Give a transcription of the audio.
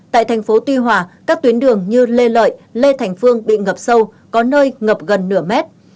tại thành phố tuy hòa các tuyến đường như lê lợi lê thành phương bị ngập sâu có nơi ngập gần nửa mét